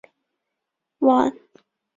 目前有一百零五艘船艇。